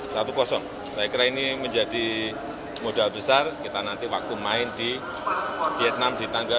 saya kira ini menjadi modal besar kita nanti waktu main di vietnam di tanggal dua puluh